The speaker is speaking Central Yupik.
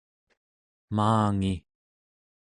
maangi